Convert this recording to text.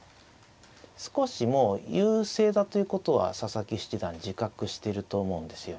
少しもう優勢だということは佐々木七段自覚してると思うんですよ。